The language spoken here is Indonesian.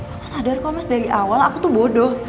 aku sadar kok mas dari awal aku tuh bodoh